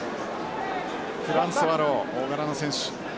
フランソワロウ大柄の選手。